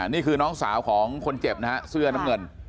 นี่คือน้องสาวของคนเจ็บนะฮะเสื้อน้ำเงิน